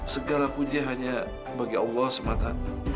segala puji hanya bagi allah semata